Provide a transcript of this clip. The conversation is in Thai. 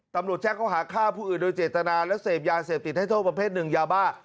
ตำรวจแจ้งเขาหาฆ่าผู้อื่นโดยเจตนาและเสพยาเสพติดให้โทษประเภทหนึ่งยาบ้า